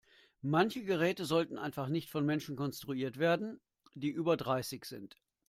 Manche Geräte sollten einfach nicht von Menschen konstruiert werden, die über dreißig sind.